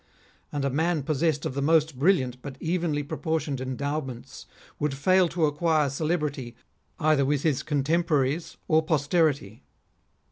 And a man possessed of the most brilliant but evenly proportioned endowments, would fail to acquire celebrity either with his contemporaries or posterity.